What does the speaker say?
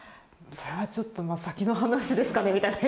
それはちょっとまあ先の話ですかねみたいな。え！